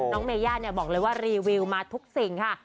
น้องเมย่าเนี่ยบอกเลยว่ารีวิวมาทุกสิ่งค่ะ